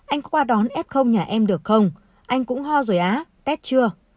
anh có qua đón f nhà em được không anh cũng ho rồi á test chưa